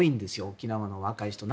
沖縄の若い人は。